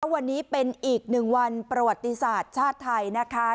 วันนี้เป็นอีกหนึ่งวันประวัติศาสตร์ชาติไทยนะคะ